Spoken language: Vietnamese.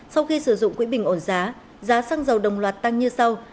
sau khi sử dụng quỹ bình ổn giá giá xăng dầu đồng loạt tăng như sau